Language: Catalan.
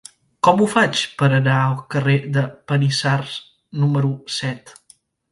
Com ho faig per anar al carrer de Panissars número set?